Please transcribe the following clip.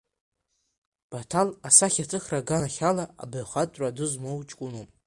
Баҭал асахьаҭыхра аганахь ала абаҩхатәра ду змоу ҷкәыноуп.